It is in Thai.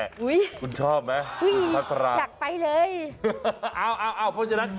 อุ๊ยอยากไปเลยคุณชอบมั้ยฮัทธาราอ้าวเพราะฉะนั้น